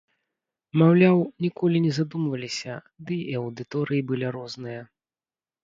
Маўляў, ніколі не задумваліся, ды і аўдыторыі былі розныя.